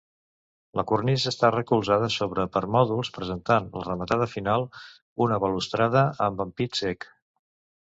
La cornisa està recolzada sobre permòdols, presentant la rematada final una balustrada amb ampit cec.